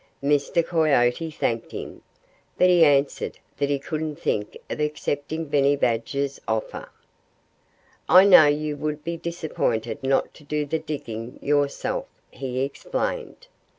Mr. Coyote thanked him. But he answered that he couldn't think of accepting Benny Badger's offer. "I know you would be disappointed not to do the digging yourself," he explained.